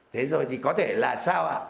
thế rồi thì có thể là sao